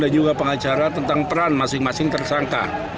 dan juga pengacara tentang peran masing masing tersangka